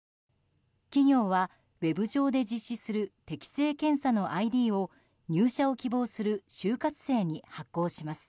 企業は、ウェブ上で実施する適性検査のＩＤを入社を希望する就活生に発行します。